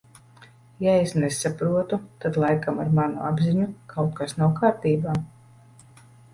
Ja es nesaprotu, tad laikam ar manu apziņu kaut kas nav kārtībā.